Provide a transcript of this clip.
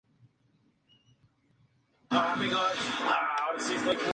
Viggo Mortensen estaba en conversaciones para interpretar el papel de villano.